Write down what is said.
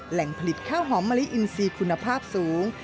แหล่งผลิตข้าวหอมมะลิอินซีคุณภาพสูง